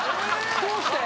どうして？